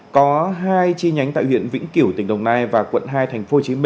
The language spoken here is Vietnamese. có hai chi nhánh tại huyện vĩnh kiểu tỉnh đồng nai và quận hai tp hcm